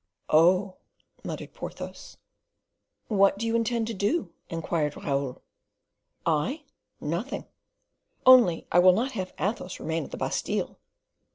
"Oh!" muttered Porthos. "What do you intend to do?" inquired Raoul. "I? Nothing; only I will not have Athos remain at the Bastile."